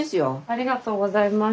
ありがとうございます。